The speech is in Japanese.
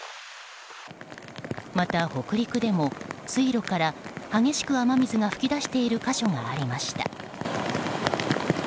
また北陸でも水路から激しく雨水が噴き出している個所がありました。